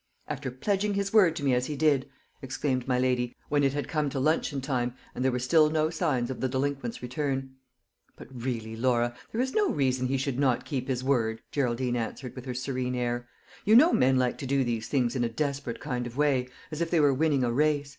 "After pledging his word to me as he did!" exclaimed my lady, when it had come to luncheon time and there were still no signs of the delinquent's return. "But really, Laura, there is no reason he should not keep his word," Geraldine answered, with her serene air. "You know men like to do these things in a desperate kind of way as if they were winning a race.